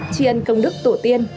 chi ân công đức tổ tiên